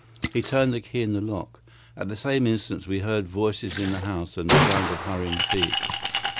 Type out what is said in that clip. He turned the key in the lock. At the same instant we heard voices in the house and the sound of hurrying feet.